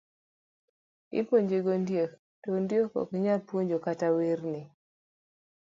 Ipuonje gi ondiek to ondiek ok nyal puonji kata werne.